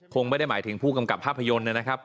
คงไม่ได้หมายถึงผู้กำกับภาพยนตร์นะครับ